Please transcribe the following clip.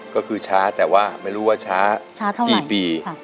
ก็คือช้าแต่ว่าไม่รู้ว่าช้ากี่ปี